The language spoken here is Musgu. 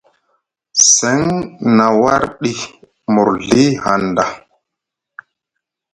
Seŋ na warɗi murzɵi hanɗa.